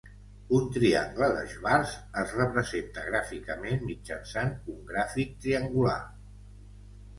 Un triangle de Schwarz es representa gràficament mitjançant un gràfic triangular.